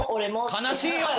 悲しいよ！